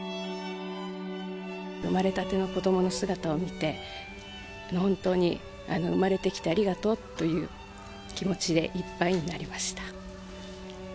生まれたての子どもの姿を見て、本当に、生まれてきてくれてありがとうという気持ちでいっぱいになりました。